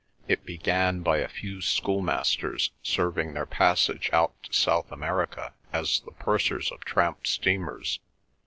It began by a few schoolmasters serving their passage out to South America as the pursers of tramp steamers.